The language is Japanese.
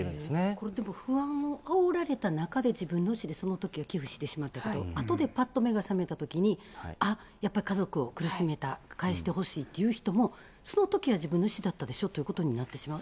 これでも、不安あおられた中で、自分の意思でそのときは寄付してしまったけど、あとでぱっと目が覚めたときに、あっ、やっぱ家族を苦しめた、返してほしいっていう人も、そのときは自分の意思だったでしょということでなってしまう。